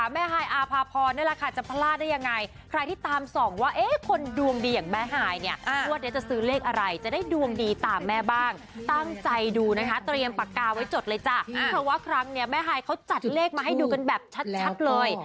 มาให้ดูกันแบบชัดเลย